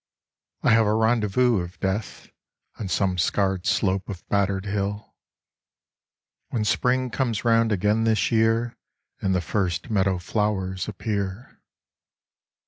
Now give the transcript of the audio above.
I have a rendezvous with Death On some scarred slope of battered hill, When Spring comes round again this year And the first meadow flowers appear.